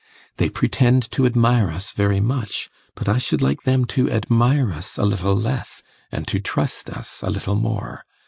They pretend to admire us very much, but I should like them to admire us a little less and to trust us a little more.